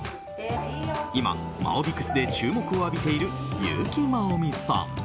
今、マオビクスで注目を浴びている優木まおみさん。